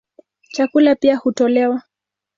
Chakula pia hutolewa.